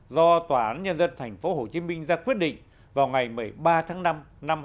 do tòa án nhân dân tp hcm ra quyết định vào ngày một mươi ba tháng năm năm hai nghìn tám